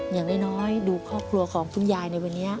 อย่างน้อยดูครอบครัวของคุณยายในวันนี้